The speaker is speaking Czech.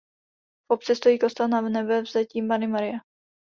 V obci stojí kostel Nanebevzetí Panny Marie.